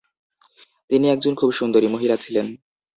তিনি একজন খুব সুন্দরী মহিলা ছিলেন।